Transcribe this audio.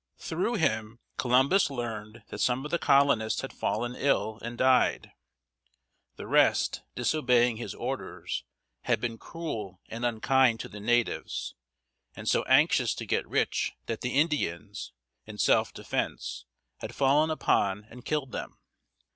Through him, Columbus learned that some of the colonists had fallen ill and died. The rest, disobeying his orders, had been cruel and unkind to the natives, and so anxious to get rich that the Indians, in self defense, had fallen upon and killed them.